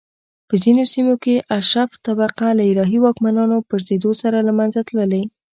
په ځینو سیمو کې اشراف طبقه له الهي واکمنانو پرځېدو سره له منځه تللي